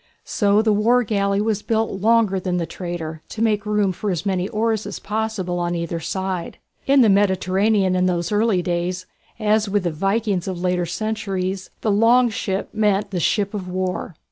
So the war galley was built longer than the trader, to make room for as many oars as possible on either side. In the Mediterranean in those early days, as with the Vikings of later centuries, the "Long Ship" meant the ship of war.